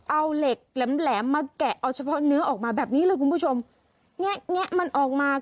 เอาเหล็กแหลมแหลมมาแกะเอาเฉพาะเนื้อออกมาแบบนี้เลยคุณผู้ชมแงะแงะมันออกมา